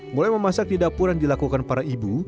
mulai memasak di dapur yang dilakukan para ibu